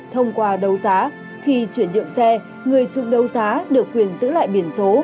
thông qua đấu giá khi chuyển nhượng xe người chung đấu giá được quyền giữ lại biển số